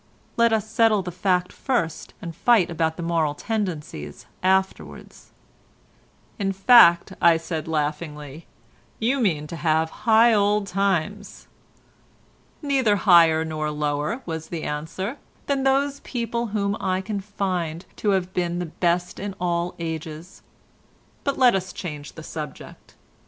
Let us settle the fact first and fight about the moral tendencies afterwards." "In fact," said I laughingly, "you mean to have high old times." "Neither higher nor lower," was the answer, "than those people whom I can find to have been the best in all ages. But let us change the subject."